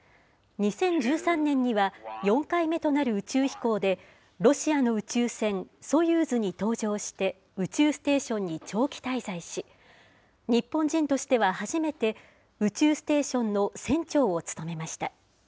２０１３年には、４回目となる宇宙飛行で、ロシアの宇宙船、ソユーズに搭乗して、宇宙ステーションに長期滞在し、日本人としては初めて、宇宙ステーションの船長を務めました。